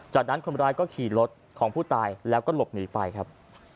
จากนั้นคนร้ายก็ขี่รถของผู้ตายแล้วก็หลบหนีไปครับ